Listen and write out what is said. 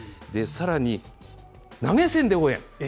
さらに、投げ銭で応援。